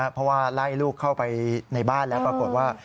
เพราะว่าไล่ลูกเข้าไปในบ้านแล้วปรากฏว่า